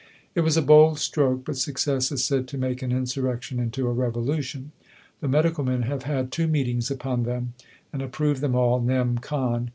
It was a bold stroke, but success is said to make an insurrection into a revolution. The Medical Men have had two meetings upon them, and approved them all _nem. con.